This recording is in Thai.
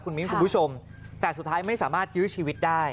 มิ้นคุณผู้ชมแต่สุดท้ายไม่สามารถยื้อชีวิตได้